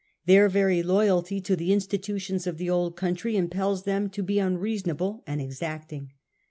Their very loyalty to the institutions of the old country impels them to be un reasonable and exacting.